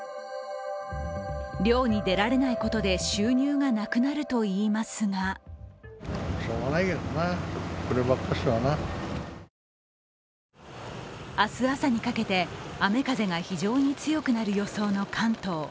漁に出られないことで収入がなくなるといいますが明日朝にかけて、雨・風が非常に強くなる予想の関東。